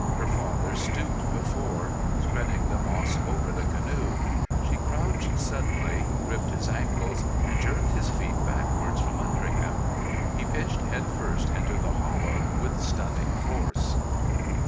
Her father stooped before, spreading the moss over the canoe. She crouched suddenly, gripped his ankles, and jerked his feet backwards, from under him. He pitched headfirst into the hollow with stunning force.